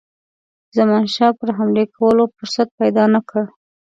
زمانشاه پر حملې کولو فرصت پیدا نه کړي.